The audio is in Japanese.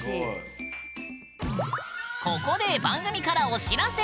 ここで番組からお知らせ！